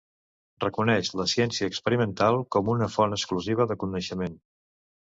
Reconeix la ciència experimental com una font exclusiva de coneixement.